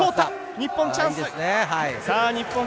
日本のチャンス。